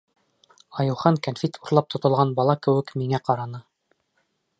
Айыухан кәнфит урлап тотолған бала кеүек миңә ҡараны.